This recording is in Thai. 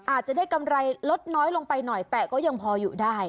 อาจจะได้กำไรลดน้อยลงไปหน่อยแต่ก็ยังพออยู่ได้